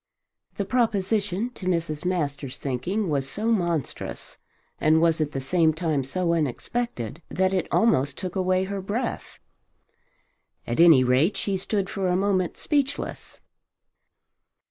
The proposition to Mrs. Masters' thinking was so monstrous, and was at the same time so unexpected, that it almost took away her breath. At any rate she stood for a moment speechless.